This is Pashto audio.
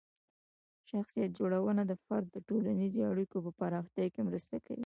شخصیت جوړونه د فرد د ټولنیزې اړیکو په پراختیا کې مرسته کوي.